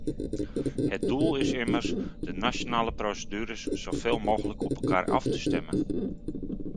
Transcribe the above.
Het doel is immers de nationale procedures zoveel mogelijk op elkaar af te stemmen.